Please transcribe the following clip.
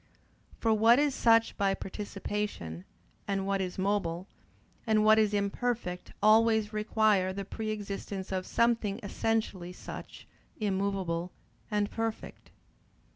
For what is such by participation, and what is mobile, and what is imperfect always requires the pre existence of something essentially such, immovable and perfect.